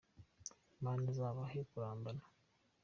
Mana uzabahe kurambana.